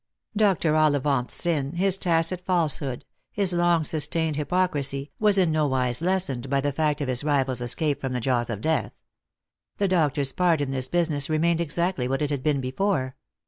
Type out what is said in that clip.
Dr. Ollivant's sin, his tacit falsehood, his long sustained hy pocrisy, was in no wise lessened by the fact of his rival's escape from the jaws of death. The doctor's part in this business re mained exactly what it had been before.